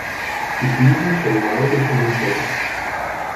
Sie fliegen vom Mai bis in den Sommer.